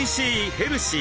ヘルシー！